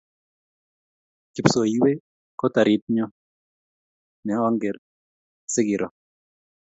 kipsoiywe ko torityon ne ang'er asikero.